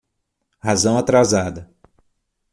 Razão atrasada